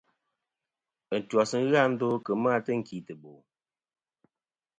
Ɨntwas nɨn ghɨ a ndo kemɨ a tɨnkìtɨbo.